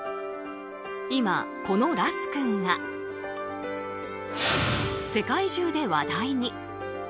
今、このラス君が世界中で話題に。